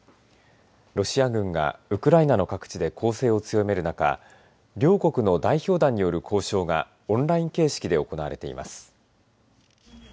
ロシア軍がウクライナの各地で攻勢を強める中両国の代表団による交渉がオンライン形式で行われています。